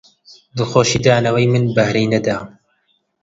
دڵخۆشی دانەوەی من بەهرەی نەدا